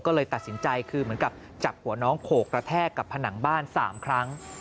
ก็เลยตัดสินใจคือเหมือนกับจับหัวน้องโขกกระแทกกับผนังบ้าน๓ครั้ง